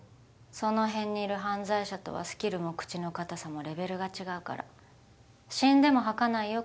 その辺にいる犯罪者とはスキルも口の堅さもレベルが違うから死んでも吐かないよ